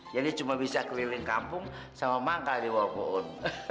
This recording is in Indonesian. jadi cuma bisa keliling kampung sama mangkari wabun